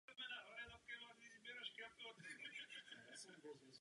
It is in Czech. Většina jeho skladeb je zasvěcena křesťanské tematice.